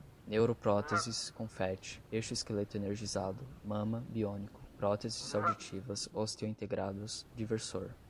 neuropróteses, confetti, exoesqueleto energizado, mama, biônico, próteses auditivas osteointegradas, diversor